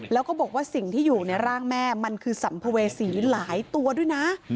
แล้วก็บอกว่าสิ่งที่อยู่ในร่างแม่มันคือสัมภเวษีหลายตัวด้วยนะ